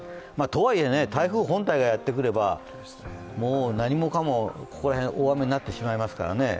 とはいえ、台風本体がやってくれば何もかもここら辺、大雨になってしまいますからね。